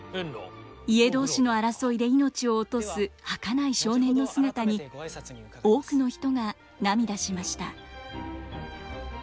家同士の争いで命を落とすはかない少年の姿に多くの人が涙しました。